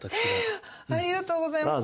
ありがとうございます。